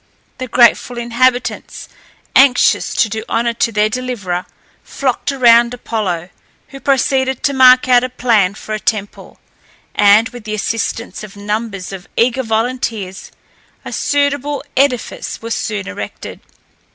The grateful inhabitants, anxious to do honour to their deliverer, flocked round Apollo, who proceeded to mark out a plan for a temple, and, with the assistance of numbers of eager volunteers, a suitable edifice was soon erected.